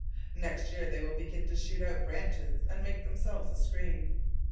Next year they will begin to shoot out branches and make themselves a screen.